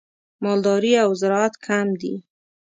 مالداري او زراعت کم دي.